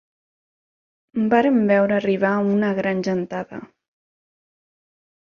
Vàrem veure arribar una gran gentada